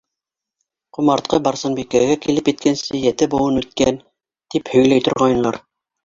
Ҡомартҡы Барсынбикәгә килеп еткәнсе ете быуын үткән, тип һөйләй торғайнылар.